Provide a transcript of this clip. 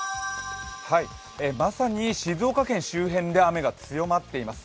まさに静岡県周辺で雨が強まっています。